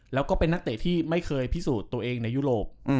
แล้วก็เป็นนักเตะที่ไม่เคยพิสูจน์ตัวเองในยุโรป